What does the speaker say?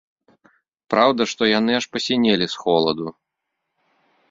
Праўда, што яны аж пасінелі з холаду.